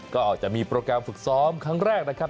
ก็จะมีโปรแกรมฝึกซ้อมครั้งแรกนะครับ